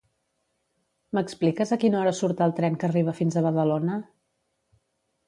M'expliques a quina hora surt el tren que arriba fins a Badalona?